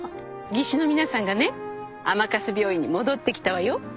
技師の皆さんがね甘春病院に戻ってきたわよ